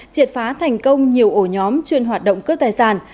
triệt phá thành công nhiều ổ nhóm chuyên hoạt động cướp tài sản